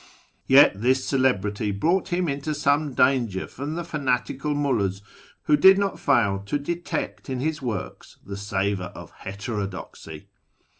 Yet this celebrity brought him into some danger from the fanatical mvMds, who did not fail to detect in his works the savour of heterodoxy.